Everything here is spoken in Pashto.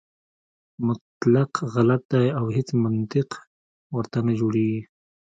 مطلق غلط دی او هیڅ منطق ورته نه جوړېږي.